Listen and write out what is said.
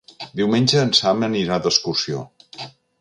Diumenge en Sam anirà d'excursió.